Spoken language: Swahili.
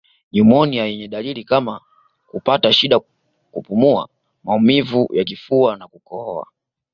Nyumonia yenye dalili kama kupata shida kupumua maumivu ya kifua na kukohoa